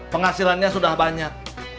penghasilannya sudah banyak